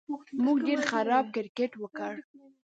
موږ ډېر خراب کرېکټ وکړ